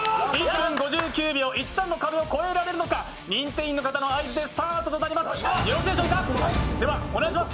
１分５９秒１３の壁を越えられるのか、認定員の方の合図でスタートします。